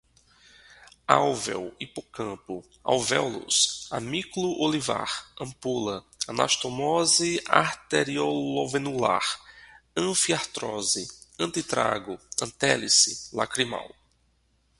álveo, hipocampo, alvéolos, amículo olivar, ampola, anastomose arteríolovenular, anfiartrose, antitrago, antélice, lacrimal